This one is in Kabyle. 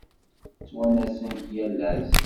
Ttwanasen-k yal ass.